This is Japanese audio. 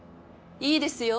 いいですよ。